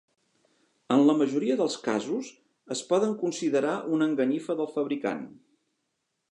En la majoria dels casos es poden considerar una enganyifa del fabricant.